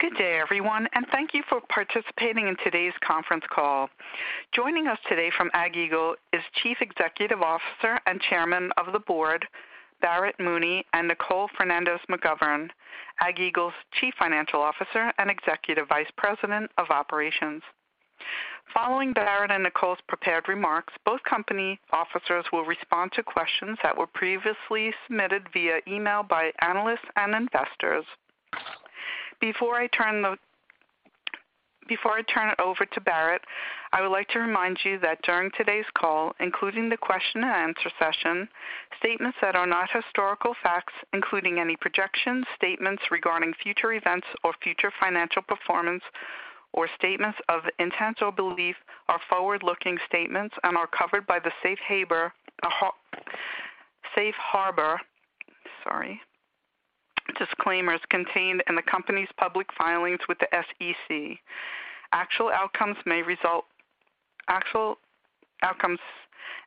Good day, everyone, and thank you for participating in today's conference call. Joining us today from AgEagle is Chief Executive Officer and Chairman of the Board, Barrett Mooney, and Nicole Fernandez-McGovern, AgEagle's Chief Financial Officer and Executive Vice President of Operations. Following Barrett and Nicole's prepared remarks, both company officers will respond to questions that were previously submitted via email by analysts and investors. Before I turn it over to Barrett, I would like to remind you that during today's call, including the question and answer session, statements that are not historical facts, including any projections, statements regarding future events or future financial performance or statements of intent or belief are forward-looking statements and are covered by the Safe Harbor, sorry, disclaimers contained in the company's public filings with the SEC. Actual outcomes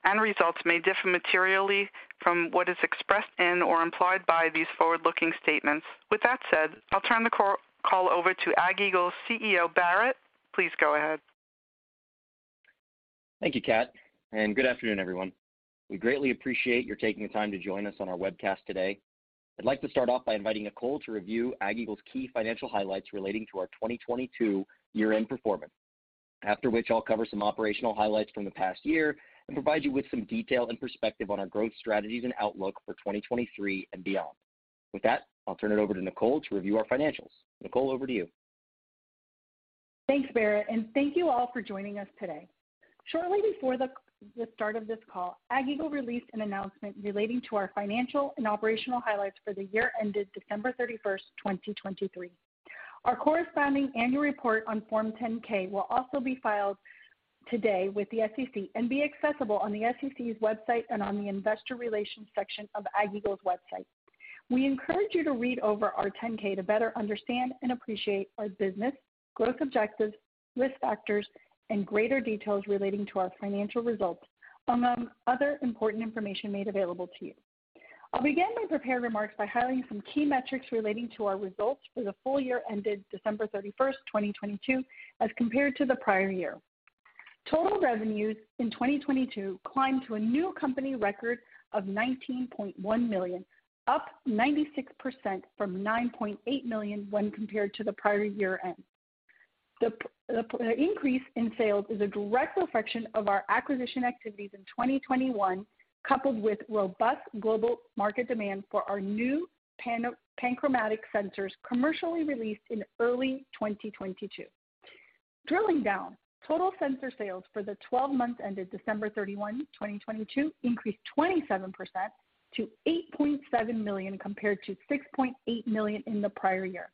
and results may differ materially from what is expressed in or implied by these forward-looking statements. With that said, I'll turn the call over to AgEagle's CEO, Barrett. Please go ahead. Thank you, Kat, good afternoon, everyone. We greatly appreciate your taking the time to join us on our webcast today. I'd like to start off by inviting Nicole to review AgEagle's key financial highlights relating to our 2022 year-end performance. After which I'll cover some operational highlights from the past year and provide you with some detail and perspective on our growth strategies and outlook for 2023 and beyond. With that, I'll turn it over to Nicole to review our financials. Nicole, over to you. Thanks, Barrett, and thank you all for joining us today. Shortly before the start of this call, AgEagle released an announcement relating to our financial and operational highlights for the year ended December 31st, 2023. Our corresponding annual report on Form 10-K will also be filed today with the SEC and be accessible on the SEC's website and on the investor relations section of AgEagle's website. We encourage you to read over our 10-K to better understand and appreciate our business, growth objectives, risk factors, and greater details relating to our financial results, among other important information made available to you. I'll begin my prepared remarks by highlighting some key metrics relating to our results for the full year ended December 31st, 2022, as compared to the prior year. Total revenues in 2022 climbed to a new company record of $19.1 million, up 96% from $9.8 million when compared to the prior year-end. The increase in sales is a direct reflection of our acquisition activities in 2021, coupled with robust global market demand for our new panchromatic sensors commercially released in early 2022. Drilling down, total sensor sales for the 12 months ended December 31, 2022 increased 27% to $8.7 million compared to $6.8 million in the prior year.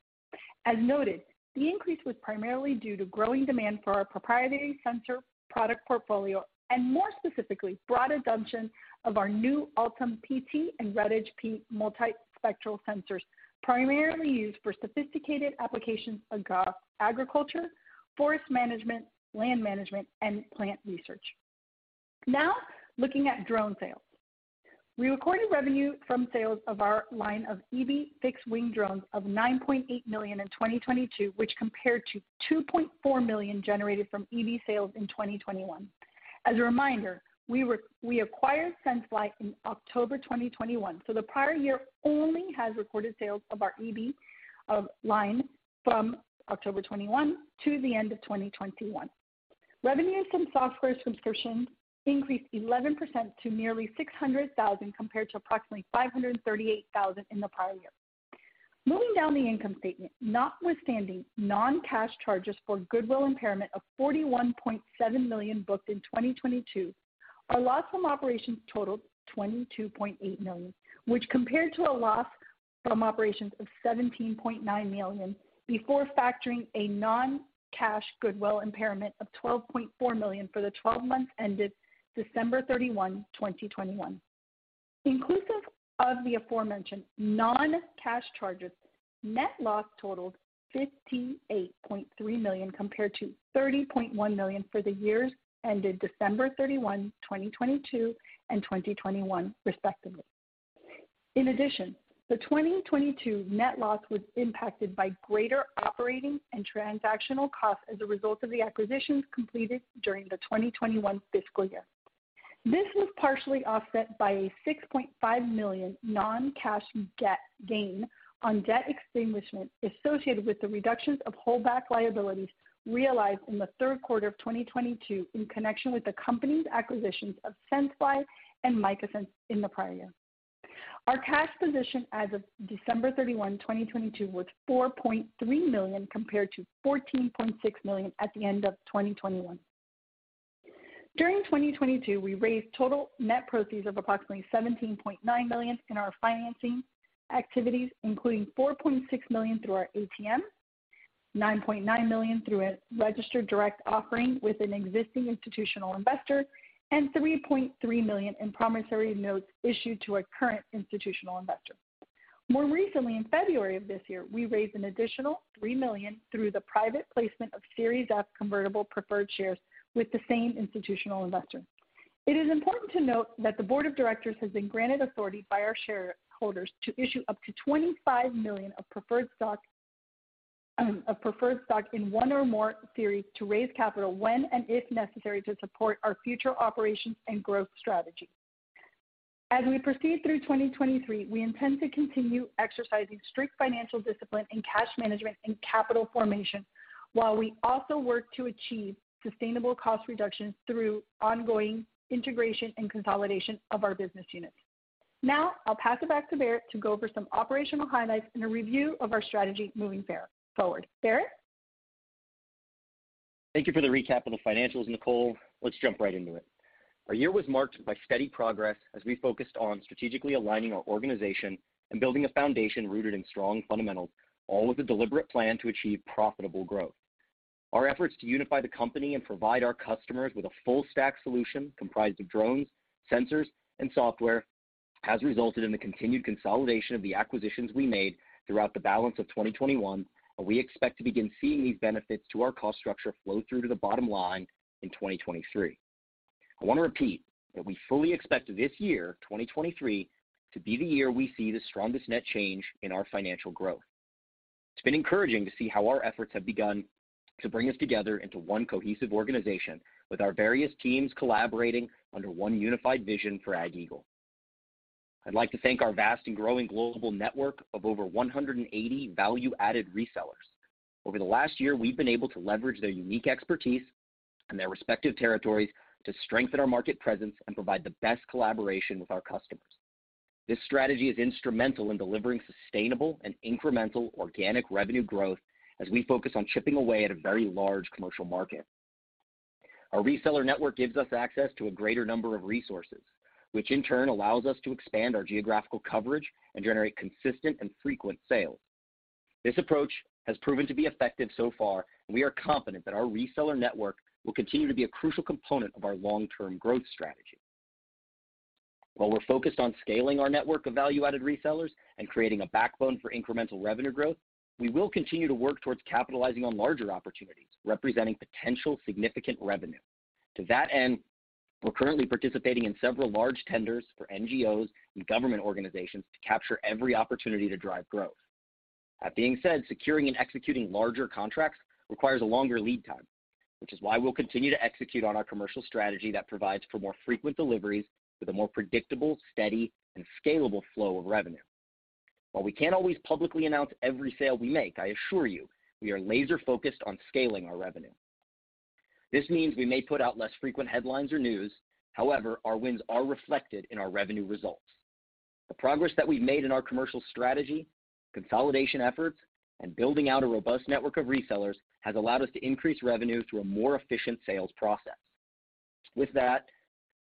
As noted, the increase was primarily due to growing demand for our proprietary sensor product portfolio and more specifically, broad adoption of our new Altum-PT and RedEdge-P multispectral sensors, primarily used for sophisticated applications across agriculture, forest management, land management, and plant research. Looking at drone sales. We recorded revenue from sales of our line of eBee fixed-wing drones of $9.8 million in 2022, which compared to $2.4 million generated from eBee sales in 2021. As a reminder, we acquired senseFly in October 2021. The prior year only has recorded sales of our eBee line from October 2021 to the end of 2021. Revenues from software subscriptions increased 11% to nearly $600,000, compared to approximately $538,000 in the prior year. Moving down the income statement, notwithstanding non-cash charges for goodwill impairment of $41.7 million booked in 2022, our loss from operations totaled $22.8 million, which compared to a loss from operations of $17.9 million before factoring a non-cash goodwill impairment of $12.4 million for the 12 months ended December 31, 2021. Inclusive of the aforementioned non-cash charges, net loss totaled $58.3 million compared to $30.1 million for the years ended December 31, 2022 and 2021, respectively. In addition, the 2022 net loss was impacted by greater operating and transactional costs as a result of the acquisitions completed during the 2021 Fiscal year. This was partially offset by a $6.5 million non-cash debt gain on debt extinguishment associated with the reductions of holdback liabilities realized in the third quarter of 2022 in connection with the company's acquisitions of senseFly and MicaSense in the prior year. Our cash position as of December 31, 2022 was $4.3 million compared to $14.6 million at the end of 2021. During 2022, we raised total net proceeds of approximately $17.9 million in our financing activities, including $4.6 million through our ATM, $9.9 million through a registered direct offering with an existing institutional investor, and $3.3 million in promissory notes issued to a current institutional investor. More recently, in February of this year, we raised an additional $3 million through the private placement of Series F convertible preferred shares with the same institutional investor. It is important to note that the board of directors has been granted authority by our shareholders to issue up to $25 million of preferred stock in one or more series to raise capital when and if necessary to support our future operations and growth strategy. As we proceed through 2023, we intend to continue exercising strict financial discipline in cash management and capital formation while we also work to achieve sustainable cost reductions through ongoing integration and consolidation of our business units. I'll pass it back to Barrett to go over some operational highlights and a review of our strategy moving forward. Barrett? Thank you for the recap of the financials, Nicole. Let's jump right into it. Our year was marked by steady progress as we focused on strategically aligning our organization and building a foundation rooted in strong fundamentals, all with a deliberate plan to achieve profitable growth. Our efforts to unify the company and provide our customers with a full stack solution comprised of drones, sensors, and software has resulted in the continued consolidation of the acquisitions we made throughout the balance of 2021. We expect to begin seeing these benefits to our cost structure flow through to the bottom line in 2023. I want to repeat that we fully expect this year, 2023, to be the year we see the strongest net change in our financial growth. It's been encouraging to see how our efforts have begun to bring us together into one cohesive organization with our various teams collaborating under one unified vision for AgEagle. I'd like to thank our vast and growing global network of over 180 value-added resellers. Over the last year, we've been able to leverage their unique expertise and their respective territories to strengthen our market presence and provide the best collaboration with our customers. This strategy is instrumental in delivering sustainable and incremental organic revenue growth as we focus on chipping away at a very large commercial market. Our reseller network gives us access to a greater number of resources, which in turn allows us to expand our geographical coverage and generate consistent and frequent sales. This approach has proven to be effective so far, and we are confident that our reseller network will continue to be a crucial component of our long-term growth strategy. While we're focused on scaling our network of value-added resellers and creating a backbone for incremental revenue growth, we will continue to work towards capitalizing on larger opportunities representing potential significant revenue. To that end, we're currently participating in several large tenders for NGOs and government organizations to capture every opportunity to drive growth. That being said, securing and executing larger contracts requires a longer lead time, which is why we'll continue to execute on our commercial strategy that provides for more frequent deliveries with a more predictable, steady, and scalable flow of revenue. While we can't always publicly announce every sale we make, I assure you, we are laser-focused on scaling our revenue. Our wins are reflected in our revenue results. The progress that we've made in our commercial strategy, consolidation efforts, and building out a robust network of resellers has allowed us to increase revenue through a more efficient sales process. With that,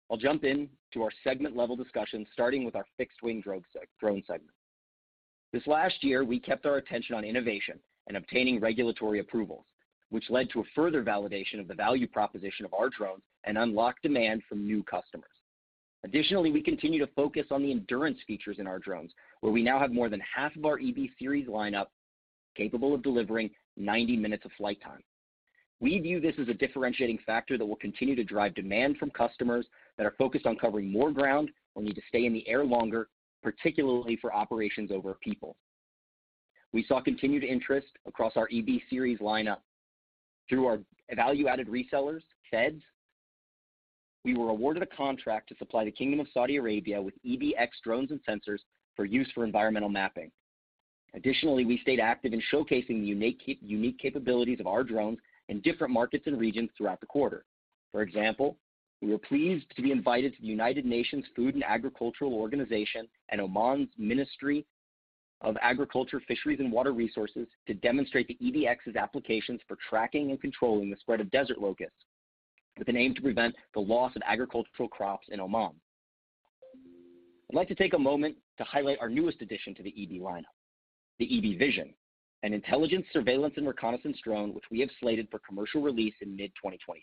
I'll jump in to our segment-level discussions, starting with our fixed-wing drone segment. This last year, we kept our attention on innovation and obtaining regulatory approvals, which led to a further validation of the value proposition of our drones and unlocked demand from new customers. We continue to focus on the endurance features in our drones, where we now have more than half of our eBee series lineup capable of delivering 90 minutes of flight time. We view this as a differentiating factor that will continue to drive demand from customers that are focused on covering more ground or need to stay in the air longer, particularly for operations over people. We saw continued interest across our eBee series lineup. Through our value-added resellers, FEDS, we were awarded a contract to supply the Kingdom of Saudi Arabia with eBee X drones and sensors for use for environmental mapping. We stayed active in showcasing the unique capabilities of our drones in different markets and regions throughout the quarter. For example, we were pleased to be invited to the United Nations Food and Agriculture Organization and Oman's Ministry of Agriculture, Fisheries, and Water Resources to demonstrate the eBee X's applications for tracking and controlling the spread of desert locusts with an aim to prevent the loss of agricultural crops in Oman. I'd like to take a moment to highlight our newest addition to the eBee lineup, the eBee VISION, an intelligence, surveillance, and reconnaissance drone which we have slated for commercial release in mid-2023.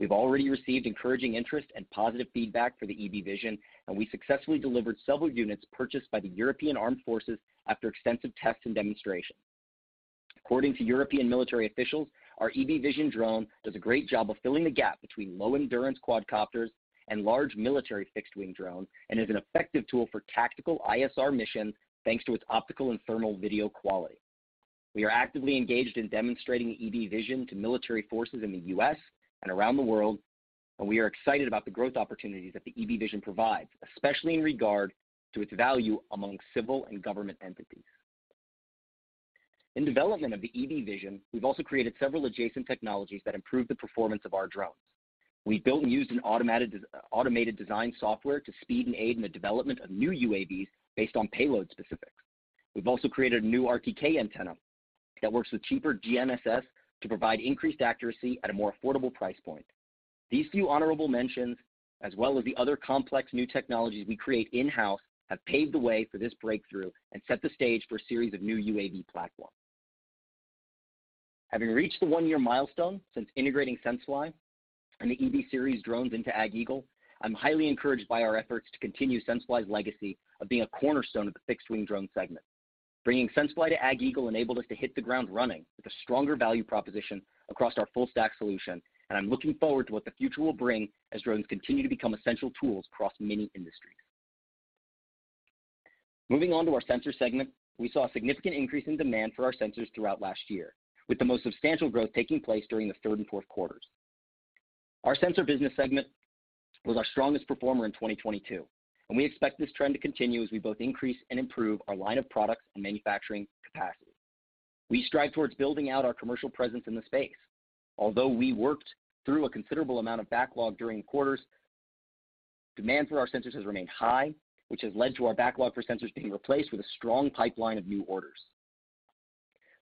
We've already received encouraging interest and positive feedback for the eBee VISION, and we successfully delivered several units purchased by the European Armed Forces after extensive tests and demonstrations. According to European military officials, our eBee VISION drone does a great job of filling the gap between low-endurance quadcopters and large military fixed-wing drones and is an effective tool for tactical ISR missions, thanks to its optical and thermal video quality. We are actively engaged in demonstrating the eBee VISION to military forces in the US and around the world, and we are excited about the growth opportunities that the eBee VISION provides, especially in regard to its value among civil and government entities. In development of the eBee VISION, we've also created several adjacent technologies that improve the performance of our drones. We built and used an automated design software to speed and aid in the development of new UAVs based on payload specifics. We've also created a new RTK antenna that works with cheaper GNSS to provide increased accuracy at a more affordable price point. These few honorable mentions, as well as the other complex new technologies we create in-house, have paved the way for this breakthrough and set the stage for a series of new UAV platforms. Having reached the one-year milestone since integrating senseFly and the eBee series drones into AgEagle, I'm highly encouraged by our efforts to continue senseFly's legacy of being a cornerstone of the fixed-wing drone segment. Bringing senseFly to AgEagle enabled us to hit the ground running with a stronger value proposition across our full stack solution, and I'm looking forward to what the future will bring as drones continue to become essential tools across many industries. Moving on to our sensor segment, we saw a significant increase in demand for our sensors throughout last year, with the most substantial growth taking place during the Q3 and Q4. Our sensor business segment was our strongest performer in 2022, and we expect this trend to continue as we both increase and improve our line of products and manufacturing capacity. We strive towards building out our commercial presence in the space. Although we worked through a considerable amount of backlog during quarters, demand for our sensors has remained high, which has led to our backlog for sensors being replaced with a strong pipeline of new orders.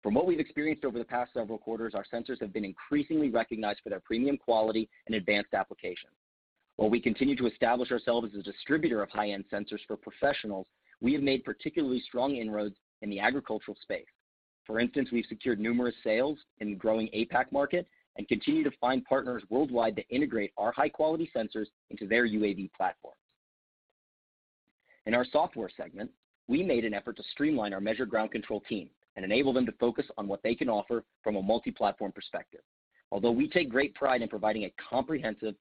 From what we've experienced over the past several quarters, our sensors have been increasingly recognized for their premium quality and advanced applications. While we continue to establish ourselves as a distributor of high-end sensors for professionals, we have made particularly strong inroads in the agricultural space. For instance, we've secured numerous sales in the growing APAC market and continue to find partners worldwide to integrate our high-quality sensors into their UAV platforms. In our software segment, we made an effort to streamline our Measure Ground Control team and enable them to focus on what they can offer from a multi-platform perspective. Although we take great pride in providing a comprehensive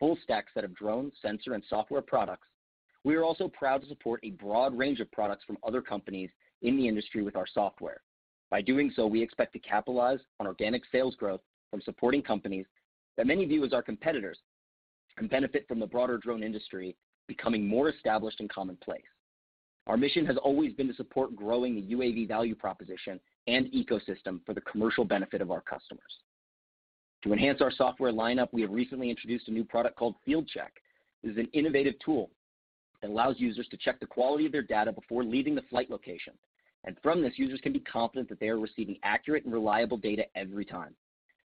full stack set of drone, sensor, and software products, we are also proud to support a broad range of products from other companies in the industry with our software. By doing so, we expect to capitalize on organic sales growth from supporting companies that many view as our competitors and benefit from the broader drone industry becoming more established and commonplace. Our mission has always been to support growing the UAV value proposition and ecosystem for the commercial benefit of our customers. To enhance our software lineup, we have recently introduced a new product called FieldCheck. This is an innovative tool that allows users to check the quality of their data before leaving the flight location, and from this, users can be confident that they are receiving accurate and reliable data every time.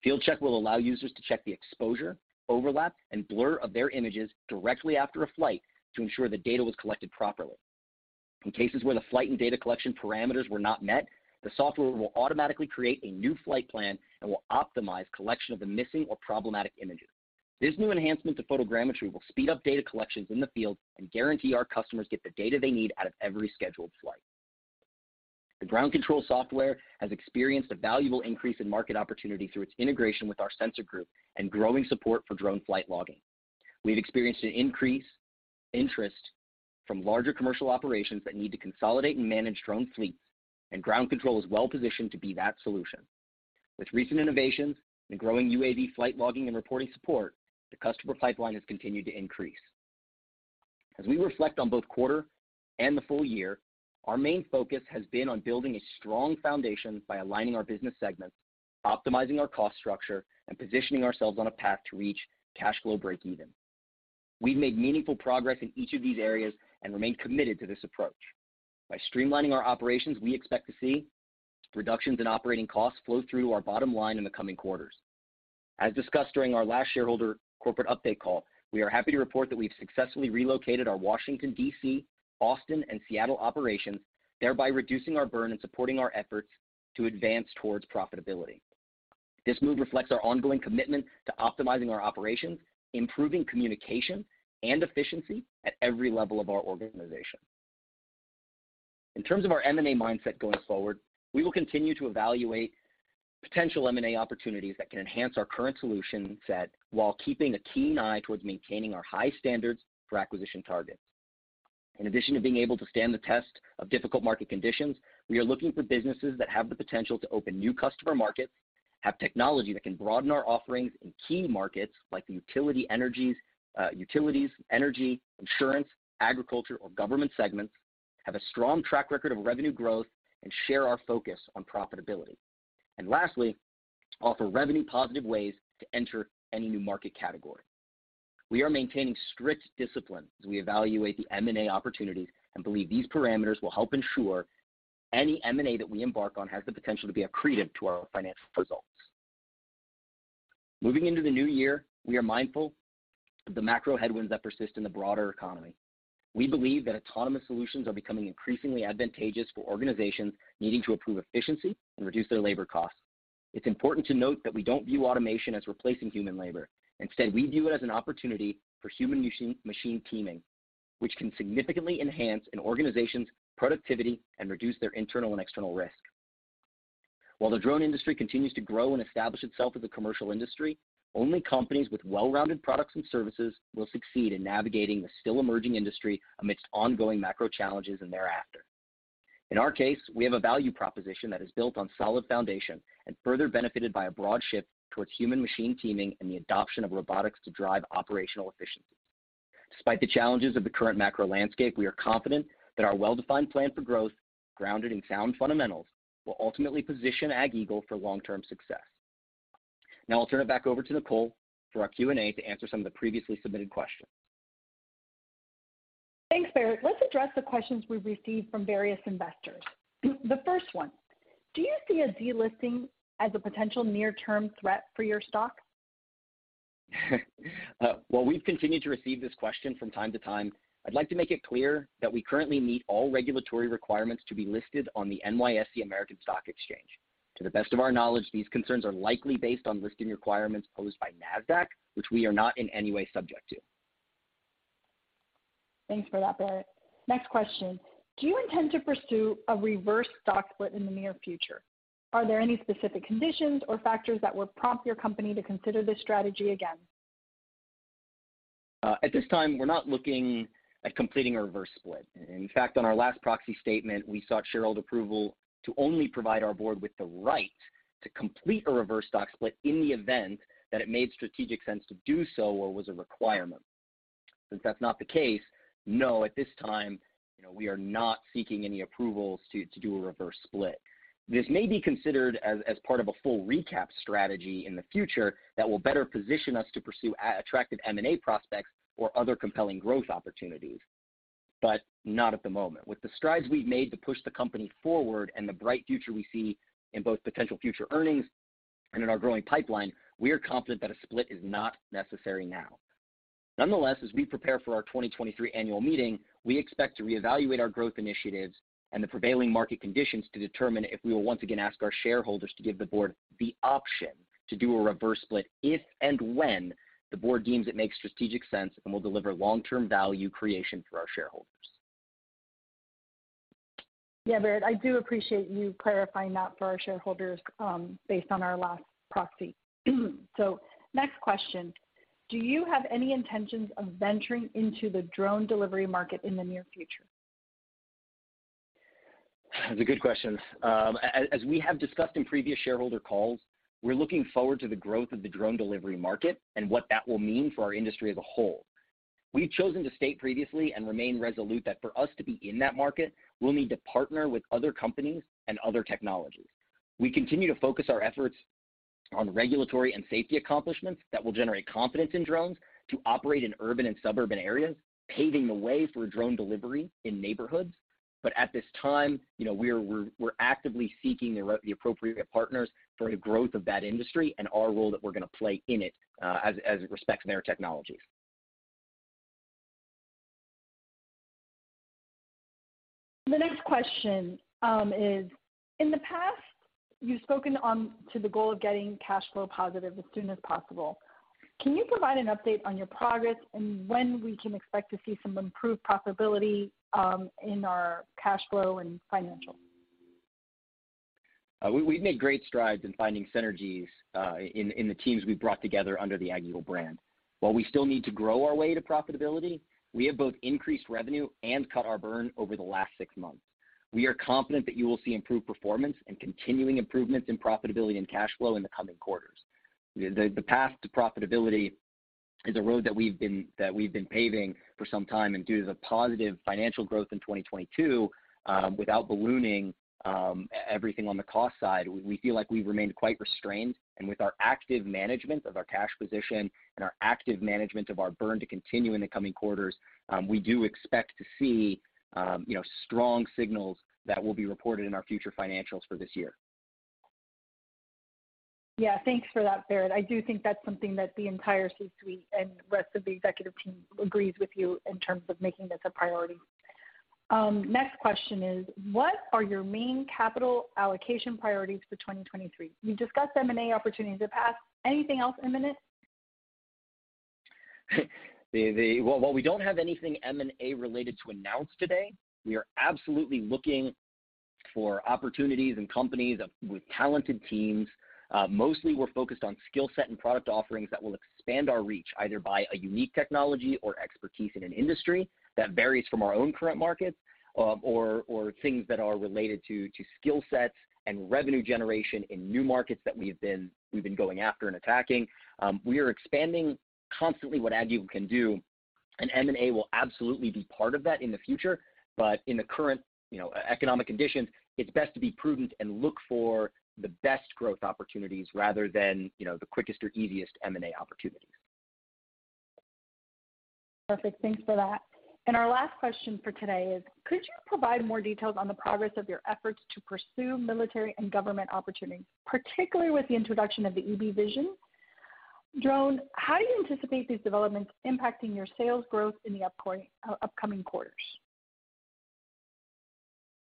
FieldCheck will allow users to check the exposure, overlap, and blur of their images directly after a flight to ensure the data was collected properly. In cases where the flight and data collection parameters were not met, the software will automatically create a new flight plan and will optimize collection of the missing or problematic images. This new enhancement to photogrammetry will speed up data collections in the field and guarantee our customers get the data they need out of every scheduled flight. The Ground Control software has experienced a valuable increase in market opportunity through its integration with our sensor group and growing support for drone flight logging. We've experienced an increase interest from larger commercial operations that need to consolidate and manage drone fleets, Ground Control is well-positioned to be that solution. With recent innovations and growing UAV flight logging and reporting support, the customer pipeline has continued to increase. As we reflect on both quarter and the full year, our main focus has been on building a strong foundation by aligning our business segments, optimizing our cost structure, and positioning ourselves on a path to reach cash flow breakeven. We've made meaningful progress in each of these areas and remain committed to this approach. By streamlining our operations, we expect to see reductions in operating costs flow through our bottom line in the coming quarters. As discussed during our last shareholder corporate update call, we are happy to report that we've successfully relocated our Washington, D.C., Austin, and Seattle operations, thereby reducing our burn and supporting our efforts to advance towards profitability. This move reflects our ongoing commitment to optimizing our operations, improving communication and efficiency at every level of our organization. In terms of our M&A mindset going forward, we will continue to evaluate potential M&A opportunities that can enhance our current solution set while keeping a keen eye towards maintaining our high standards for acquisition targets. In addition to being able to stand the test of difficult market conditions, we are looking for businesses that have the potential to open new customer markets, have technology that can broaden our offerings in key markets like utilities, energy, insurance, agriculture, or government segments, have a strong track record of revenue growth, and share our focus on profitability. Lastly, offer revenue-positive ways to enter any new market category. We are maintaining strict discipline as we evaluate the M&A opportunities and believe these parameters will help ensure any M&A that we embark on has the potential to be accretive to our financial results. Moving into the new year, we are mindful of the macro headwinds that persist in the broader economy. We believe that autonomous solutions are becoming increasingly advantageous for organizations needing to improve efficiency and reduce their labor costs. It's important to note that we don't view automation as replacing human labor. Instead, we view it as an opportunity for human-machine teaming, which can significantly enhance an organization's productivity and reduce their internal and external risk. While the drone industry continues to grow and establish itself as a commercial industry, only companies with well-rounded products and services will succeed in navigating the still-emerging industry amidst ongoing macro challenges and thereafter. In our case, we have a value proposition that is built on solid foundation and further benefited by a broad shift towards human-machine teaming and the adoption of robotics to drive operational efficiency. Despite the challenges of the current macro landscape, we are confident that our well-defined plan for growth, grounded in sound fundamentals, will ultimately position AgEagle for long-term success. I'll turn it back over to Nicole for our Q&A to answer some of the previously submitted questions. Thanks, Barrett. Let's address the questions we've received from various investors. The first one, do you see a delisting as a potential near-term threat for your stock? While we've continued to receive this question from time to time, I'd like to make it clear that we currently meet all regulatory requirements to be listed on the NYSE American Stock Exchange. To the best of our knowledge, these concerns are likely based on listing requirements posed by Nasdaq, which we are not in any way subject to. Thanks for that, Barrett. Next question. Do you intend to pursue a reverse stock split in the near future? Are there any specific conditions or factors that would prompt your company to consider this strategy again? At this time, we're not looking at completing a reverse split. In fact, on our last proxy statement, we sought shareholder approval to only provide our board with the right to complete a reverse stock split in the event that it made strategic sense to do so or was a requirement. Since that's not the case, no, at this time, you know, we are not seeking any approvals to do a reverse split. This may be considered as part of a full recap strategy in the future that will better position us to pursue attractive M&A prospects or other compelling growth opportunities, but not at the moment. With the strides we've made to push the company forward and the bright future we see in both potential future earnings and in our growing pipeline, we are confident that a split is not necessary now. Nonetheless, as we prepare for our 2023 annual meeting, we expect to re-evaluate our growth initiatives and the prevailing market conditions to determine if we will once again ask our shareholders to give the Board the option to do a reverse split if and when the Board deems it makes strategic sense and will deliver long-term value creation for our shareholders. Yeah, Barrett, I do appreciate you clarifying that for our shareholders, based on our last proxy. Next question, do you have any intentions of venturing into the drone delivery market in the near future? That's a good question. As we have discussed in previous shareholder calls, we're looking forward to the growth of the drone delivery market and what that will mean for our industry as a whole. We've chosen to state previously and remain resolute that for us to be in that market, we'll need to partner with other companies and other technologies. We continue to focus our efforts on regulatory and safety accomplishments that will generate confidence in drones to operate in urban and suburban areas, paving the way for drone delivery in neighborhoods. At this time, you know, we're actively seeking the appropriate partners for the growth of that industry and our role that we're going to play in it, as it respects their technologies. The next question, is, in the past, you've spoken on to the goal of getting cash flow positive as soon as possible. Can you provide an update on your progress and when we can expect to see some improved profitability, in our cash flow and financials? We've made great strides in finding synergies in the teams we've brought together under the AgEagle brand. While we still need to grow our way to profitability, we have both increased revenue and cut our burn over the last six months. We are confident that you will see improved performance and continuing improvements in profitability and cash flow in the coming quarters. The path to profitability is a road that we've been paving for some time. Due to the positive financial growth in 2022, without ballooning everything on the cost side, we feel like we've remained quite restrained. With our active management of our cash position and our active management of our burn to continue in the coming quarters, we do expect to see, you know, strong signals that will be reported in our future financials for this year. Yeah, thanks for that, Barrett. I do think that's something that the entire C-suite and rest of the executive team agrees with you in terms of making this a priority. Next question is, what are your main capital allocation priorities for 2023? You discussed M&A opportunities in the past. Anything else imminent? While we don't have anything M&A related to announce today, we are absolutely looking for opportunities and companies with talented teams. Mostly we're focused on skill set and product offerings that will expand our reach, either by a unique technology or expertise in an industry that varies from our own current markets, or things that are related to skill sets and revenue generation in new markets that we've been going after and attacking. We are expanding constantly what AgEagle can do, and M&A will absolutely be part of that in the future. In the current, you know, economic conditions, it's best to be prudent and look for the best growth opportunities rather than, you know, the quickest or easiest M&A opportunities. Perfect. Thanks for that. Our last question for today is, could you provide more details on the progress of your efforts to pursue military and government opportunities, particularly with the introduction of the eBee VISION drone? How do you anticipate these developments impacting your sales growth in the upcoming quarters?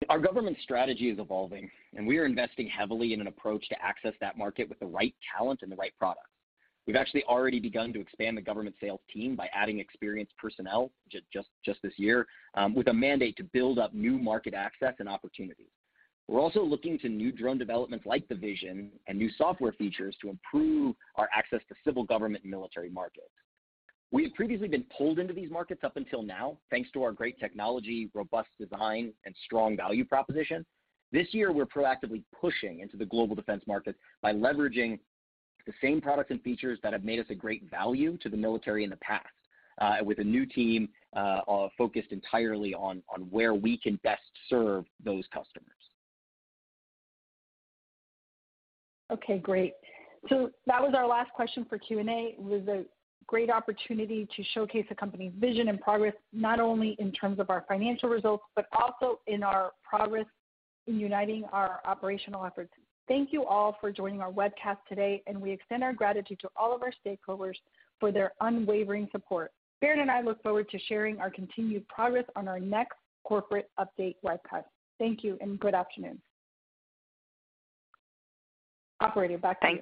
Our government strategy is evolving. We are investing heavily in an approach to access that market with the right talent and the right products. We've actually already begun to expand the government sales team by adding experienced personnel just this year, with a mandate to build up new market access and opportunities. We're also looking to new drone developments like the Vision and new software features to improve our access to civil government and military markets. We have previously been pulled into these markets up until now, thanks to our great technology, robust design, and strong value proposition. This year, we're proactively pushing into the global defense market by leveraging the same products and features that have made us a great value to the military in the past, with a new team focused entirely on where we can best serve those customers. Okay, great. That was our last question for Q&A. It was a great opportunity to showcase the company's vision and progress, not only in terms of our financial results, but also in our progress in uniting our operational efforts. Thank you all for joining our webcast today, and we extend our gratitude to all of our stakeholders for their unwavering support. Barrett and I look forward to sharing our continued progress on our next corporate update webcast. Thank you, and good afternoon. Operator, back to you.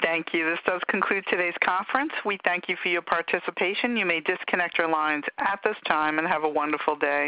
Thank you. This does conclude today's conference. We thank you for your participation. You may disconnect your lines at this time. Have a wonderful day.